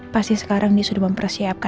pasti sekarang ini sudah mempersiapkan